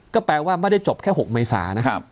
ก็แปลว่าไม่ได้จบแค่๖เมษานะ